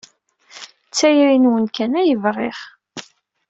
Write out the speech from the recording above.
D tayri-nwen kan ay bɣiɣ.